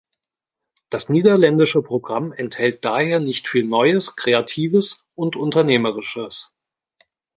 Das niederländische Programm enthält daher nicht viel Neues, Kreatives und Unternehmerisches.